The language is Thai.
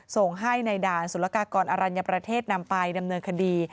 ส่งให้ในด่านสุรกากรอรัญญประเทศนำไปดำเนินคดี